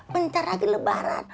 bentar lagi lebaran